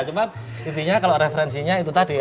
cuma intinya kalau referensinya itu tadi ya